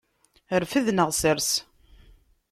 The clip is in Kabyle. Rfed neɣ sers.